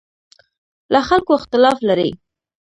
له خلکو اختلاف لري.